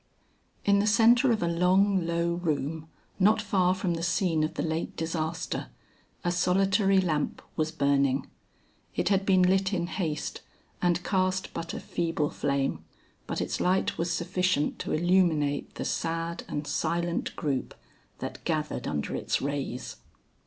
In the centre of a long low room not far from the scene of the late disaster, a solitary lamp was burning. It had been lit in haste and cast but a feeble flame, but its light was sufficient to illuminate the sad and silent group that gathered under its rays.